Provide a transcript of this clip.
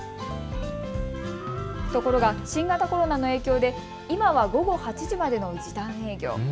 ところが新型コロナの影響で今は午後８時までの時短営業。